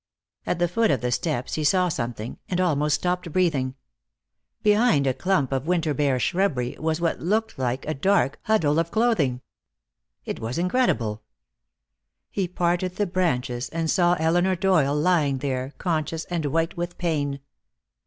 At the foot of the steps he saw something, and almost stopped breathing. Behind a clump of winter bare shrubbery was what looked like a dark huddle of clothing. It was incredible. He parted the branches and saw Elinor Doyle lying there, conscious and white with pain.